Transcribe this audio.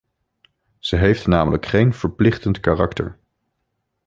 Ze heeft namelijk geen verplichtend karakter.